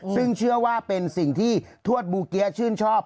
ซึ่งเชื่อว่าเป็นสิ่งที่ทวดบูเกี๊ยชื่นชอบ